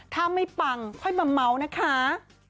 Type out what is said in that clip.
ถ้าไม่ปังค่อยมาเมาส์นะคะ